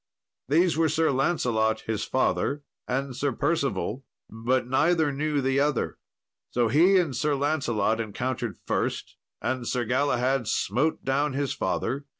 These were Sir Lancelot, his father, and Sir Percival, but neither knew the other. So he and Sir Lancelot encountered first, and Sir Galahad smote down his father.